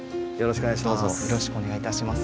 よろしくお願いします。